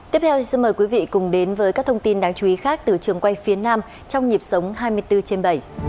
tiếp theo xin mời quý vị cùng đến với các thông tin đáng chú ý khác từ trường quay phía nam trong nhịp sống hai mươi bốn trên bảy